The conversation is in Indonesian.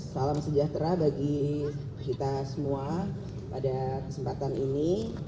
salam sejahtera bagi kita semua pada kesempatan ini